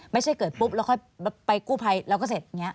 ไม่ใช่เกิดปุ๊บแล้วค่อยไปกู้ไพรแล้วก็เสร็จ